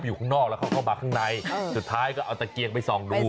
เข้าอยู่ข้างนอกแล้วเข้ามาขังในสุดท้ายเอาตะเกียงไปซองดู